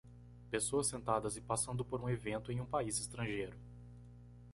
Pessoas sentadas e passando por um evento em um país estrangeiro.